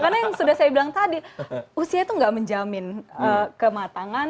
karena yang sudah saya bilang tadi usia itu nggak menjamin kematangan